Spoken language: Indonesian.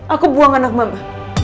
aku buang anak mama